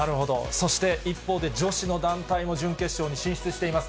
そして、一方で女子の団体も準決勝に進出しています。